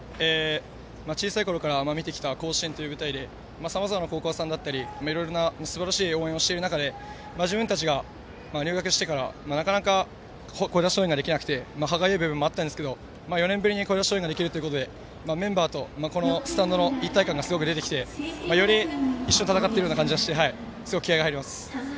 小さいころから見てきた甲子園という舞台でさまざまな高校さんがいろいろな応援をしている中で自分たちが入学してからなかなか声出し応援ができなくて歯がゆい場面もあったんですけど４年ぶりに声出し応援ができるということでメンバーとスタンドの一体感がすごく出てきてより一緒に戦っているような感じがして気合いが入ります。